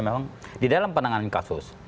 memang di dalam penanganan kasus